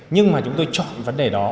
nhưng mà chúng tôi chọn vấn đề đó